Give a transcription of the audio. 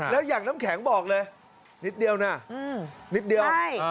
แล้วอย่างน้ำแข็งบอกเลยนิดเดียวนะนิดเดียว